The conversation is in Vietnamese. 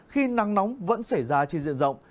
khi nắng nóng vẫn xảy ra trên diện rộng